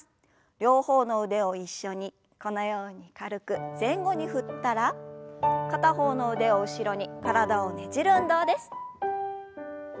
両方の腕を一緒にこのように軽く前後に振ったら片方の腕を後ろに体をねじる運動です。